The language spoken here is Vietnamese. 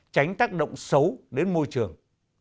tránh tác động xấu đến môi trường